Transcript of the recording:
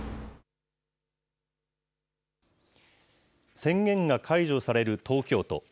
宣言が解除される東京都。